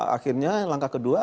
akhirnya langkah kedua